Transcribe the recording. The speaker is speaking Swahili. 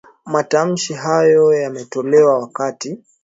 Matamshi hayo yametolewa wakati